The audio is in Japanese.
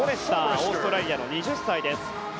オーストラリアの２０歳です。